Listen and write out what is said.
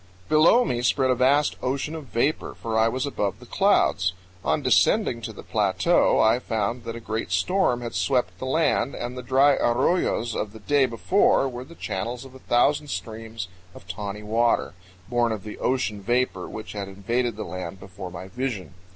Below me spread a vast ocean of vapor, for I was above the clouds. On descending to the plateau, I found that a great storm had swept the land, and the dry arroyos of the day before were the channels of a thousand streams of tawny water, born of the ocean of vapor which had invaded the land before my vision.